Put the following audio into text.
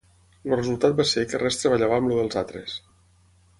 El resultat va ser que res treballava amb el dels altres.